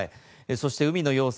そして海の様子